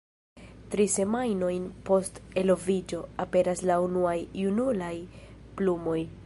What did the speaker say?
Tri semajnojn post eloviĝo, aperas la unuaj junulaj plumoj.